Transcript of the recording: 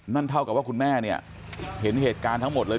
เท่ากับว่าคุณแม่เนี่ยเห็นเหตุการณ์ทั้งหมดเลย